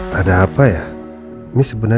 kalau bisa beban